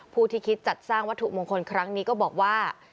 ที่คิดจัดสร้างวัตถุมงคลครั้งนี้ก็บอกว่า